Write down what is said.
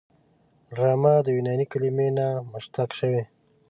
ډرامه د یوناني کلمې نه مشتق شوې.